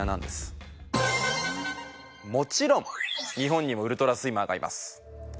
もちろん日本にもウルトラスイマーがいます。